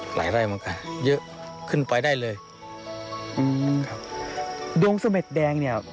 หลายไร่เหมือนกันเยอะขึ้นไปได้เลยอืมครับดวงเสม็ดแดงเนี่ย